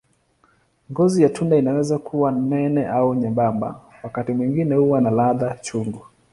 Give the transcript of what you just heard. Ngozi ya tunda inaweza kuwa nene au nyembamba, wakati mwingine huwa na ladha chungu.